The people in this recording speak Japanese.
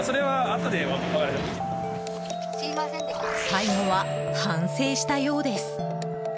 最後は反省したようです。